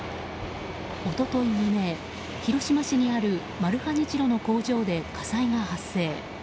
一昨日未明、広島市にあるマルハニチロの工場で火災が発生。